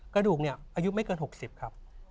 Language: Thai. กระดูกเนี่ยอายุไม่เกิน๖๐ครับ